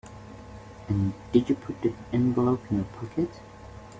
And did you put the envelope in your pocket?